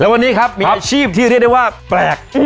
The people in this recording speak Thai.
วันนี้ครับมีอาชีพที่เรียกได้ว่าแปลก